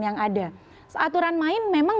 yang ada aturan main memang